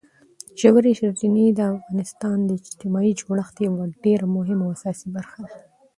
ژورې سرچینې د افغانستان د اجتماعي جوړښت یوه ډېره مهمه او اساسي برخه ده.